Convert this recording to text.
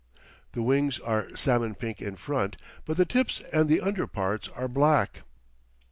The wings are salmon pink in front, but the tips and the under parts are black.